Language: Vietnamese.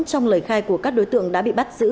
trong lời khai của các đối tượng đã bị bắt giữ